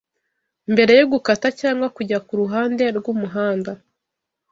Mbere yo gukata cyangwa kujya ku ruhande rw'umuhanda